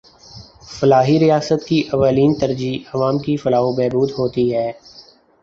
فلاحی ریاست کی اولین ترجیح عوام کی فلاح و بہبود ہوتی ہے۔